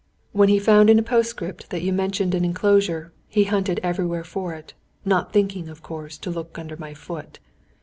"When he found in a postscript that you mentioned an enclosure, he hunted everywhere for it; not thinking, of course, to look under my foot.